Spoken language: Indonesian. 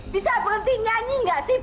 bisa berhenti nyanyi nggak sih